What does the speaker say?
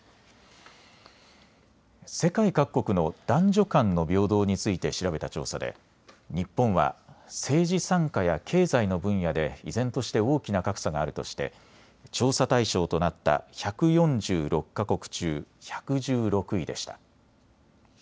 世界各国の男女間の平等について調べた調査で日本は政治参加や経済の分野で依然として大きな格差があるとして調査対象となった１４６か国中、１１６位でした。